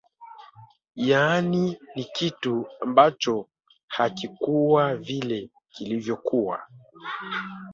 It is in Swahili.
Yaani ni kitu ambacho hakikua vile kilvyokua